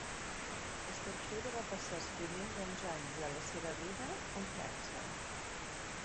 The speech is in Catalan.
Stachura va passar els primers onze anys de la seva vida en França.